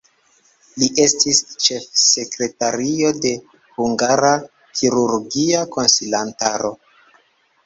Li estis ĉefsekretario de Hungara Kirurgia Konsilantaro.